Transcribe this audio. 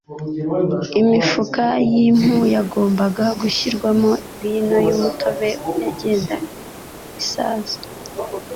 Imifuka y'impu yagombaga gushyirwamo vino y'umutobe, yagendaga isaza